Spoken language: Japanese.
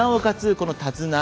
この手綱